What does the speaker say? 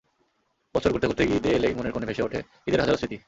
বছর ঘুরতে ঘুরতে ঈদে এলেই মনের কোণে ভেসে ওঠে ঈদের হাজারো স্মৃতি।